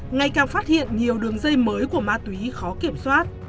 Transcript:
ngày càng phát hiện nhiều đường dây mới của ma túy khó kiểm soát